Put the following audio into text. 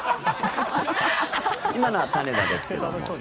今のは種田ですけど。